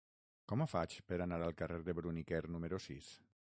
Com ho faig per anar al carrer de Bruniquer número sis?